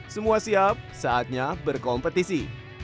semua siap saatnya berkompetisi